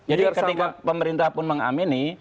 jadi ketika pemerintah pun mengamini